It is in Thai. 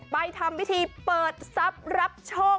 ไปทำวิธีเปิดสับรับโชค